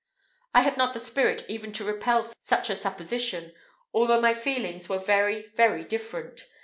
I had not the spirit even to repel such a supposition, though my feelings were very, very different.